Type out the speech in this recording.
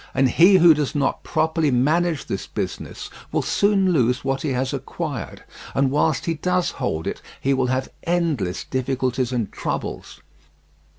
And he who does not properly manage this business will soon lose what he has acquired, and whilst he does hold it he will have endless difficulties and troubles.